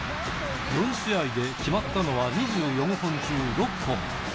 ４試合で決まったのは、２４本中６本。